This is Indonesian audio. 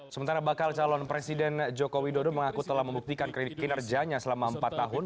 sementara bakal calon presiden joko widodo mengaku telah membuktikan kinerjanya selama empat tahun